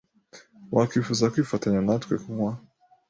Wakwifuza kwifatanya natwe kunywa?